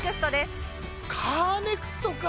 カーネクストか！